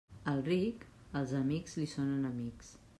Al ric, els amics li són enemics.